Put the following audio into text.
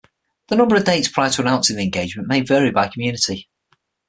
The number of dates prior to announcing an engagement may vary by community.